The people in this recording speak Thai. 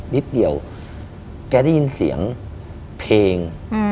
นิดเดียวแกได้ยินเสียงเพลง